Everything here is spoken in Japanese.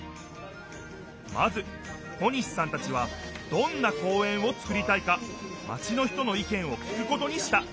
まず小西さんたちはどんな公園をつくりたいかまちの人の意見を聞くことにした。